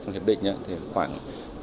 trong hiệp định khoảng chín mươi